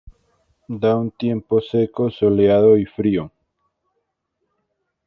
Da un tiempo seco, soleado y frío.